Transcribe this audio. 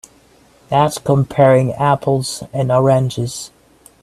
That's comparing apples and oranges.